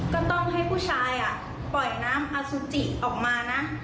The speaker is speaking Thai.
ก็ต้องให้ผู้ชายปล่อยน้ำอสุจิออกมานะ